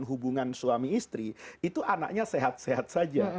hubungan suami istri itu anaknya sehat sehat saja